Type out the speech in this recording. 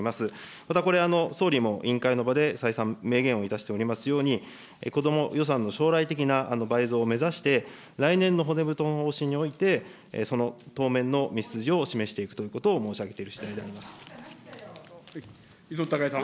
また、これ、総理も委員会の場で再三明言をいたしておりますように、子ども予算の将来的な倍増を目指して、来年の骨太の方針において、その当面の道筋を示していくということを申し上げているしだいでありま伊藤孝恵さん。